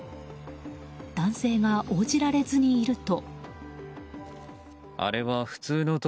男性が応じられずにいると。